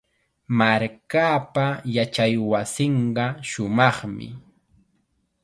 Markaapa yachaywasinqa shumaqmi.